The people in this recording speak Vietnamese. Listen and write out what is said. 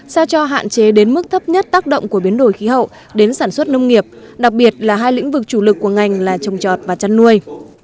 sao cho hạn chế đến mức thấp nhất tác động của biến đổi khí hậu đến sản xuất nông nghiệp đặc biệt là hai lĩnh vực chủ lực của ngành là trồng trọt và chăn nuôi